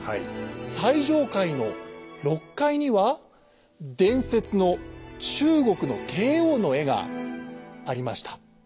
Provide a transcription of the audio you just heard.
最上階の６階には伝説の中国の帝王の絵がありました。